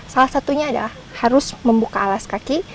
salah satunya adalah harus membuka alas kaki